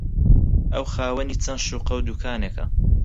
ئەو خاوەنی چەند شوقە و دوکانێکە